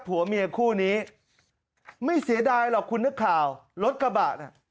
ผัวเมียคู่นี้ไม่เสียดายหรอกคุณนักข่าวรถกระบะน่ะ